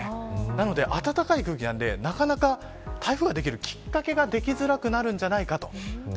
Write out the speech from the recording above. なので暖かい空気なのでなかなか台風ができるきっかけができづらくなるんじゃないかと。